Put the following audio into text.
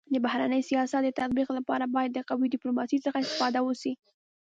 د بهرني سیاست د تطبيق لپاره باید د قوي ډيپلوماسی څخه استفاده وسي.